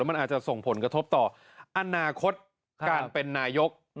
มันอาจจะส่งผลกระทบต่ออนาคตการเป็นนายก